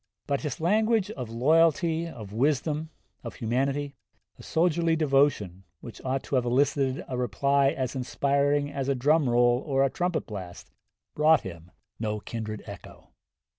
But his language of loyalty, of wisdom, of humanity, of soldierly devotion, which ought to have elicited a reply as inspiring as a drum roll or a trumpet blast, brought him no kindred echo.